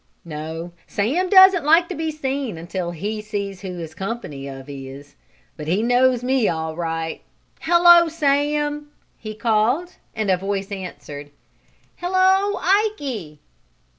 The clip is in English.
"No, Sam doesn't like to be seen until he sees who his company of is. But he knows me all right. Hello, Sam!" he called and a voice answered: "Hello, Ikey!"